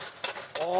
ああ！